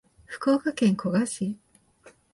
福岡県古賀市